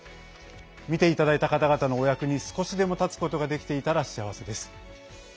見ていただいた方々のお役に少しでも立つことができていたら幸せです。